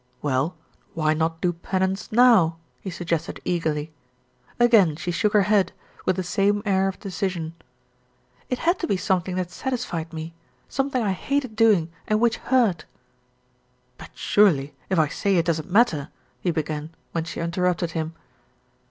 "Well, why not do penance now?" he suggested eagerly. Again she shook her head, with the same air of de cision. "It had to be something that satisfied me, something I hated doing and which hurt." "But surely if I say it doesn't matter " he began, when she interrupted him.